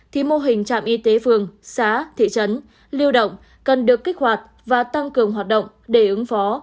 thì mô hình trạm y tế phường xá thị trấn lưu động cần được kích hoạt và tăng cường hoạt động để ứng phó